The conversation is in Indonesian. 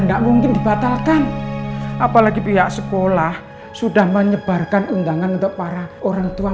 nggak mungkin dibatalkan apalagi pihak sekolah sudah menyebarkan undangan untuk para orangtua